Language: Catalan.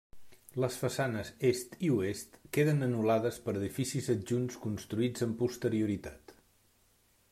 Les façanes est i oest queden anul·lades per edificis adjunts construïts amb posterioritat.